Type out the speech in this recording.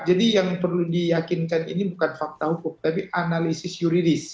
jadi yang perlu diyakinkan ini bukan fakta hukum tapi analisis juridis